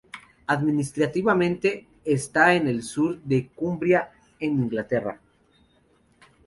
Administrativamente, está en el sur de Cumbria, en Inglaterra.